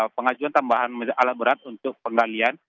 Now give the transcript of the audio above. pengajuan tambahan alat berat untuk penggalian